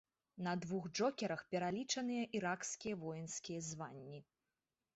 На двух джокерах пералічаныя іракскія воінскія званні.